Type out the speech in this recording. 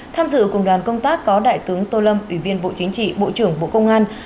tham dự cùng đoàn công tác có đại tướng tô lâm ủy viên bộ chính trị bộ trưởng bộ công an